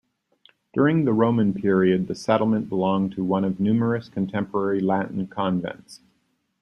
During the Roman period the settlement belonged to one of numerous contemporary Latin convents.